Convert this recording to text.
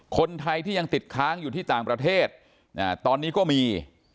คนไทยที่ยังติดค้างอยู่ที่ต่างประเทศตอนนี้ก็มี